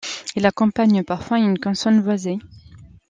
Il accompagne parfois une consonne voisée.